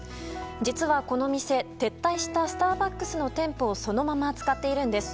実はこの店撤退したスターバックスの店舗をそのまま使っているんです。